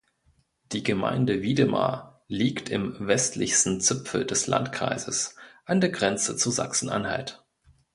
Die Gemeinde Wiedemar liegt im westlichsten Zipfel des Landkreises an der Grenze zu Sachsen-Anhalt.